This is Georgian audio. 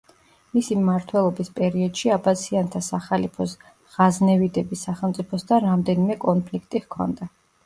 მისი მმართველობის პერიოდში აბასიანთა სახალიფოს ღაზნევიდების სახელმწიფოსთან რამდენიმე კონფლიქტი ჰქონდა.